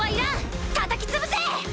たたき潰せ！